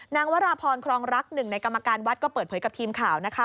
วราพรครองรักหนึ่งในกรรมการวัดก็เปิดเผยกับทีมข่าวนะคะ